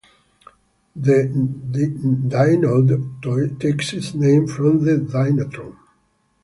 The dynode takes its name from the dynatron.